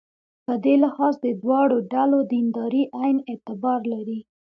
په دې لحاظ د دواړو ډلو دینداري عین اعتبار لري.